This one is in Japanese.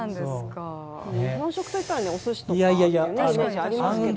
日本食といったらおすしとかのイメージありますけどね。